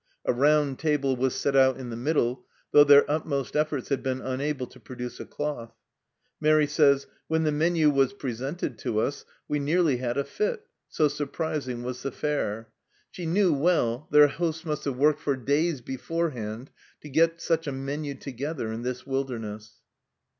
A round table was set out in the middle, though their utmost efforts had been unable to produce a cloth ! Mairi says, " When the menu was presented to us, we nearly had a fit 1" so surprising was the fare. She knew well their hosts must have worked for days beforehand to get such a menu together in this wilderness.